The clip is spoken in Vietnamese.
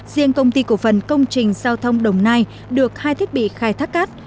riêng công ty cổ phần công trình giao thông đồng nai được hai thiết bị khai thác cát